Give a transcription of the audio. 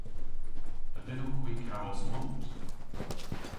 A vynnowgh hwi kavos moos?